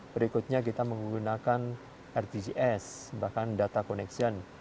berikutnya kita menggunakan rtjs bahkan data connection